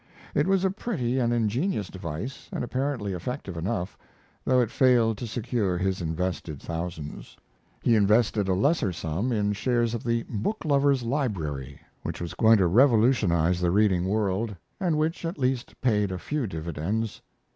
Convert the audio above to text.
It was a pretty and ingenious device and apparently effective enough, though it failed to secure his invested thousands. He invested a lesser sum in shares of the Booklover's Library, which was going to revolutionize the reading world, and which at least paid a few dividends.